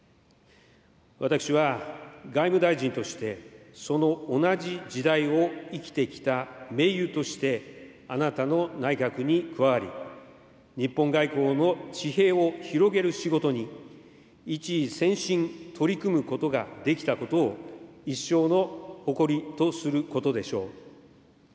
私は外務大臣として、その同じ時代を生きてきた盟友として、あなたの内閣に加わり、日本外交の地平を広げる仕事に、一意専心取り組むことができたことを一生の誇りとすることでしょう。